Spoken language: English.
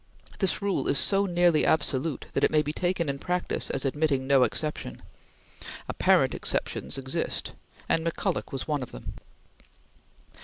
This rule is so nearly absolute that it may be taken in practice as admitting no exception. Apparent exceptions exist, and McCulloch was one of them.